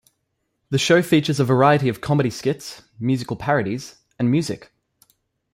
The show features a variety of comedy skits, musical parodies, and music.